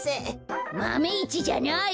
マメ１じゃない！